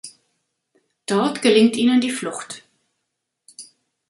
Dort gelingt ihnen die Flucht.